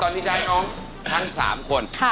ตอนนี้จะให้น้องทั้ง๓คน